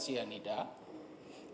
maka itu berarti tidak bisa dikonsumsi